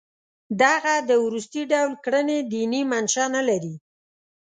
دغه د وروستي ډول کړنې دیني منشأ نه لري.